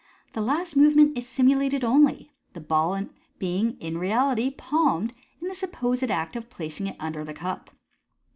The last movement is simulated only, the bail being in reality palmed in the supposed act of placing it under the cup.